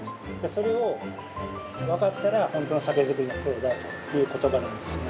それを分かったら本当の酒造りのプロだという言葉なんですが。